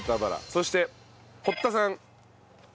そして堀田さん情報。